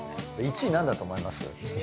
１位何だと思います？